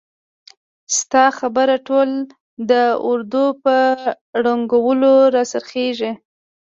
ستا خبره ټول د اردو په ړنګولو را څرخیږي!